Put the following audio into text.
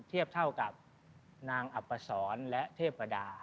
เทียบเท่ากับนางอับประสอนและเทพดา